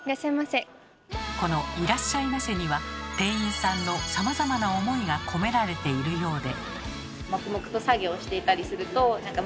この「いらっしゃいませ」には店員さんのさまざまな思いが込められているようで。